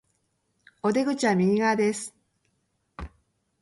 お出口は右側です